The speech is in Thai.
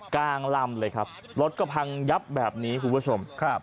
กลางลำเลยครับรถก็พังยับแบบนี้คุณผู้ชมครับ